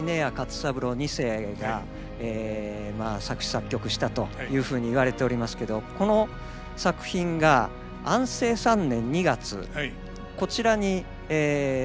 二世が作詞・作曲したというふうに言われておりますけどこの作品が安政３年２月こちらに作られた唄なんです。